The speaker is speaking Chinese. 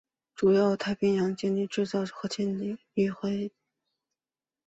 主要为太平洋舰队制造常规潜艇与核潜艇。